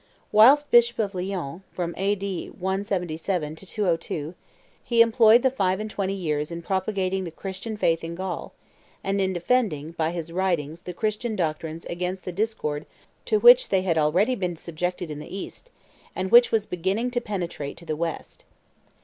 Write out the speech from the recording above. Whilst Bishop of Lyons, from A.D. 177 to 202, he employed the five and twenty years in propagating the Christian faith in Gaul, and in defending, by his writings, the Christian doctrines against the discord to which they had already been subjected in the East, and which was beginning to penetrate to the West.